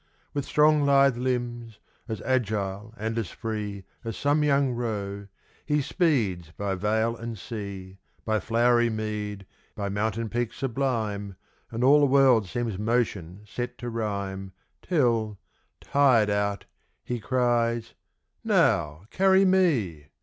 With strong, lithe limbs, as agile and as free, As some young roe, he speeds by vale and sea, By flowery mead, by mountain peak sublime, And all the world seems motion set to rhyme, Till, tired out, he cries, "Now carry me!"